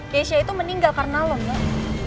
keisha itu meninggal karena lo mbak